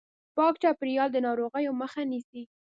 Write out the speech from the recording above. پاک چاپیریال د ناروغیو مخه نیسي.